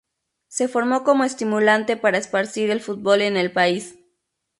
Se formó como estimulante para esparcir el fútbol en el país.